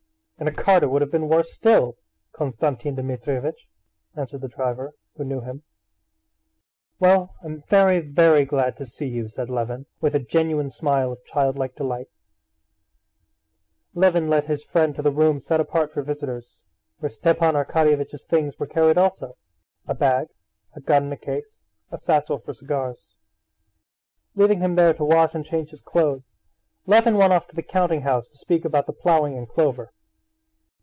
"In a cart it would have been worse still, Konstantin Dmitrievitch," answered the driver, who knew him. "Well, I'm very, very glad to see you," said Levin, with a genuine smile of childlike delight. Levin led his friend to the room set apart for visitors, where Stepan Arkadyevitch's things were carried also—a bag, a gun in a case, a satchel for cigars. Leaving him there to wash and change his clothes, Levin went off to the counting house to speak about the ploughing and clover.